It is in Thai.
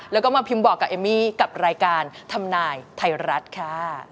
แล้วก็มาพิมพ์บอกกับเอมมี่กับรายการทำนายไทยรัฐค่ะ